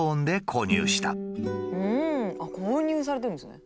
購入されてるんですね。